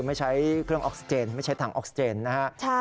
ไม่ใช้เครื่องออกซิเจนไม่ใช้ถังออกซิเจนนะฮะ